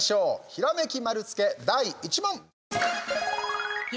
ひらめき丸つけ、第１問。